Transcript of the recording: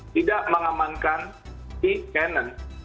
tidak mengamankan si canon